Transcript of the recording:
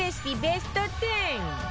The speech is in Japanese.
ベスト１０